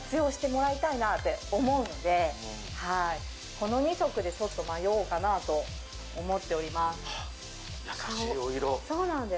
この２色で迷おうかなと思っております。